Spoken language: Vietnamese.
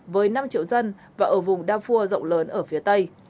với năm triệu dân và ở vùng đa phua rộng lớn ở phía tây